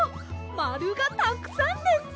まるがたくさんです！